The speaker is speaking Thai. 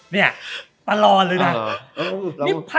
เฮี่ยตารรรณนะ